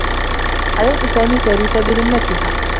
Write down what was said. حياة سامي كارثة برمّتها.